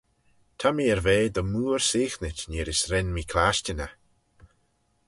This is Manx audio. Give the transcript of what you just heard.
Ta mee er ve dy mooar seaghnit neayr's ren mee clashtyn eh.